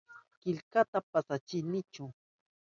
Killkata paskachihuni.